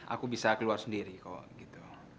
aku bisa keluar sendiri kok gitu